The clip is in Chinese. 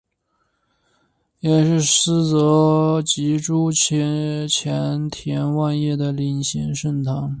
也是司铎级枢机前田万叶的领衔圣堂。